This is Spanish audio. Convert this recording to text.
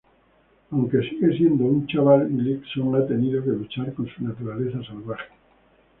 Aunque sigue siendo un chaval, Gleason ha tenido que luchar con su naturaleza salvaje.